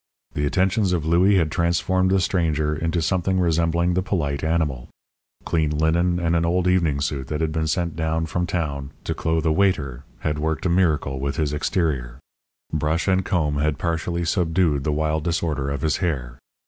The attentions of Louis had transformed the stranger into something resembling the polite animal. Clean linen and an old evening suit that had been sent down from town to clothe a waiter had worked a miracle with his exterior. Brush and comb had partially subdued the wild disorder of his hair.